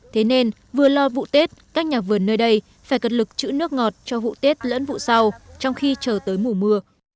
thế nên vừa lo vụ tết các nhà vườn nơi đây phải cật lực chữ nước ngọt cho vụ tết lẫn vụ sau trong khi chờ tới mùa mưa